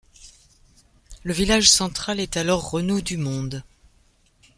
Le village central est alors Renau du Monde.